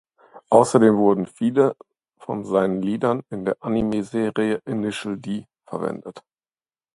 Außerdem wurden viele von seinen Liedern in der Anime-Serie "Initial D" verwendet.